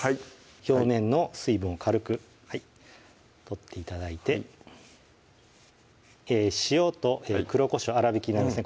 表面の水分を軽く取って頂いて塩と黒こしょう粗びきのやつですね